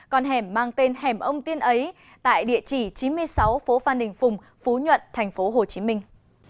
còn hẻm mang tên hẻm ông tiên ấy tại địa chỉ chín mươi sáu phố phan đình phùng phú nhuận thành phố hồ chí minh